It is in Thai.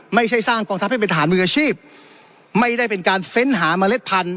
ไม่ใช่สร้างกองทัพให้เป็นทหารมืออาชีพไม่ได้เป็นการเฟ้นหาเมล็ดพันธุ